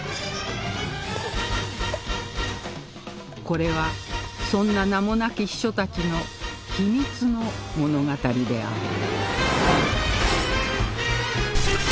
これはそんな名もなき秘書たちの秘密の物語である